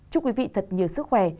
chúc quý vị thật nhiều sức khỏe